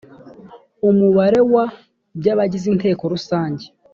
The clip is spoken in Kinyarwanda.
umubare wa by abagize inteko rusange